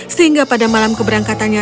sehingga pada malam keberangkatannya